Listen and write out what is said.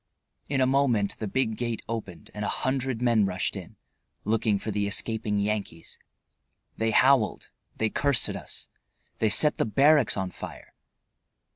In a moment the big gate opened and a hundred men rushed in, looking for the escaping Yankees. They howled, they cursed at us, they set the barracks on fire.